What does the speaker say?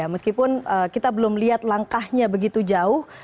meskipun kita belum lihat langkahnya begitu jauh